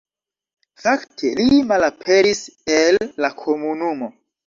Fakte li malaperis el la komunumo.